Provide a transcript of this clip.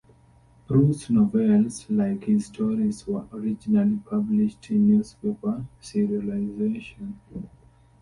Prus' novels, like his stories, were originally published in newspaper serialization.